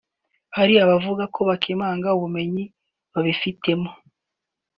hari abavuga ko bakemanga ubumenyi babifitemo